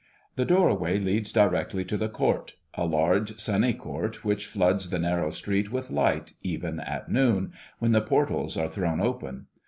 The doorway leads directly to the court, a large, sunny court which floods the narrow street with light even at noon, when the portals are thrown open.